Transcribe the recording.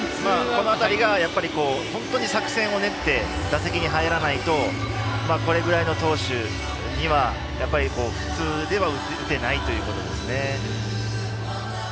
この辺りが本当に作戦を練って打席に入らないとこれぐらいの投手にはやっぱり普通では打てないということですね。